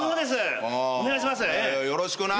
よろしくな。